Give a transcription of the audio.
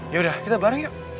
yaudah kita bareng yuk